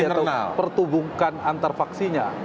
atau pertubungkan antar vaksinnya